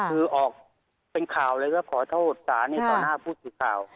คือออกเป็นข่าวเลยว่าขอโทษศาลต่อหน้าผู้สื่อข่าว